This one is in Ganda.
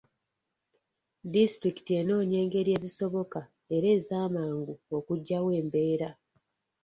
Disitulikiti enoonya engeri ezisoboka era ez'amangu okugyawo embeera.